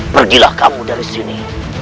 pergilah kamu dari sini